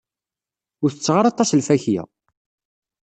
Ur tetteɣ ara aṭas n lfakya.